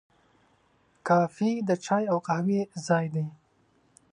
کافه د چای او قهوې ځای دی.